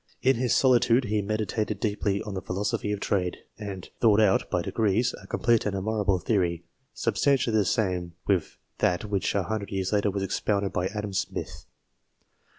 In his solitude he meditated deeply on the philo sophy of trade, and thought out, by degrees, a complete and admirable theory substantially the same with that which a hundred years later was expounded by Adam Smith."